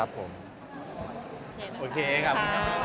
เป็นคนนอกโรงการครับ